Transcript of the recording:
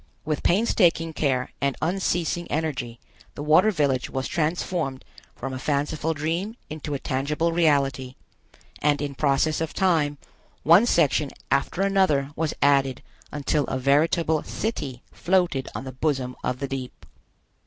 With painstaking care and unceasing energy the water village was transformed from a fanciful dream into a tangible reality, and in process of time one section after another was added until a veritable city floated on the bosom of the deep.